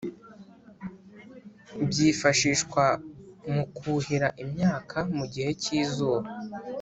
byifashishwa mu kuhira imyaka mu gihe k’izuba